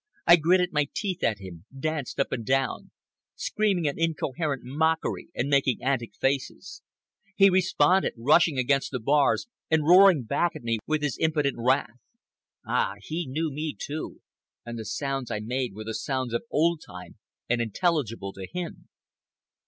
I gritted my teeth at him, danced up and down, screaming an incoherent mockery and making antic faces. He responded, rushing against the bars and roaring back at me his impotent wrath. Ah, he knew me, too, and the sounds I made were the sounds of old time and intelligible to him.